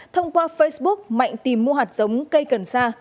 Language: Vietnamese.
thông qua facebook mạnh tìm mua hạt giống cây cần sa